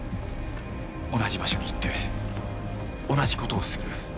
同じ場所に行って同じ事をする。